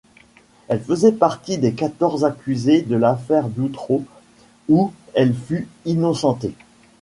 Elle faisait partie des quatorze accusés de l’affaire d’Outreau où elle fut innocentée.